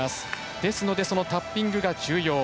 ですのでタッピングが重要。